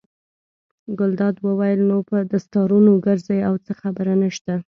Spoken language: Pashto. ګلداد وویل: نو په دستارونو ګرځئ او څه خبره نشته.